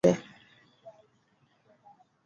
Ugonjwa wa mkojo damu kwa ngombe